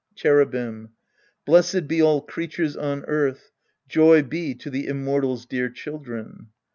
Cherubim. Blessed be all creatures on earth, Joy be to the Immortal's dear children.